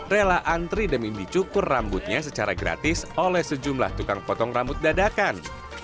rela antri demi dicukur rambutnya secara gratis oleh sejumlah tukang potong rambut dadakan